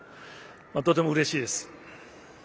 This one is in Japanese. とてもうれしいです。